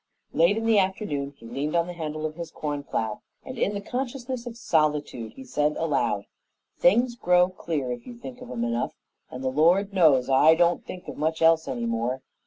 Late in the afternoon he leaned on the handle of his corn plow, and, in the consciousness of solitude, said aloud: "Things grow clear if you think of them enough, and the Lord knows I don't think of much else any more.